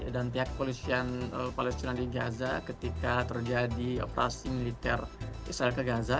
dan pihak polisi yang di gaza ketika terjadi operasi militer israel